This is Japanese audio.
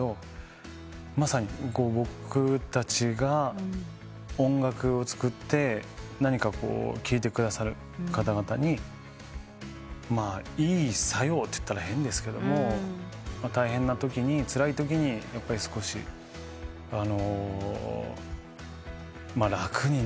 まさに僕たちが音楽を作って何か聴いてくださる方々にいい作用って言ったら変ですけども大変なときにつらいときに少し楽になるというか。